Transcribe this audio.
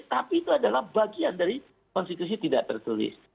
tapi itu adalah bagian dari konstitusi tidak tertulis